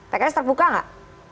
pks terbuka nggak